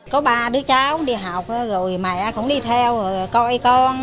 có ba đứa cháu đi học rồi mẹ cũng đi theo rồi coi con